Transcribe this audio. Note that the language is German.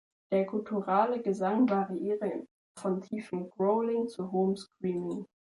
Der gutturale Gesang variiere von tiefem Growling zu hohem Screaming.